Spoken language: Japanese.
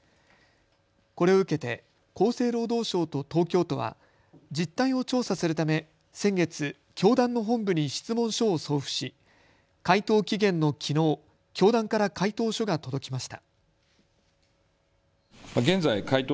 これを受けて厚生労働省と東京都は実態を調査するため先月、教団の本部に質問書を送付し回答期限のきのう教団から回答書が届きました。